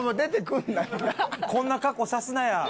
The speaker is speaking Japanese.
こんな格好さすなや。